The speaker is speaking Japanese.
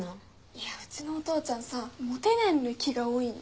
いやうちのお父ちゃんさモテないのに気が多いの。